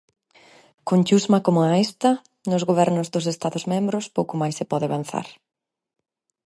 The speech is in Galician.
Con chusma coma esta nos gobernos dos Estados Membros pouco máis se pode avanzar.